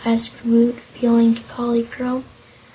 asked Woot, appealing to Polychrome.